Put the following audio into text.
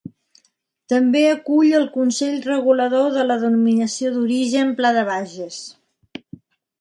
També acull el Consell Regulador de la Denominació d'Origen Pla de Bages.